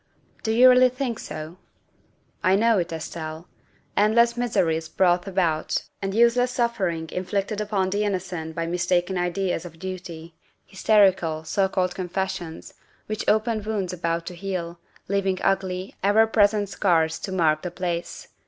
" You really think so?" '' I know it, Estelle. Endless misery is brought about and useless suffering inflicted upon the innocent by mis taken ideas of duty hysterical so called confessions, which open wounds about to heal, leaving ugly, ever present scars to mark the place.